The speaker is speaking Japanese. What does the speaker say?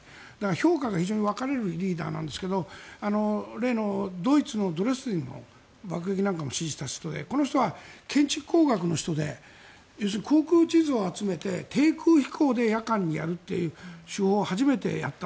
評価が非常に分かれるリーダーなんですが例のドイツのドレスデンの爆撃なんかも指示した人でこの人は建築工学の人で航空地図を集めて、低空飛行で夜間にやるという手法を初めてやった。